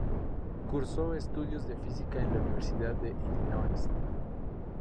Cursó estudios de física en la Universidad de Illinois.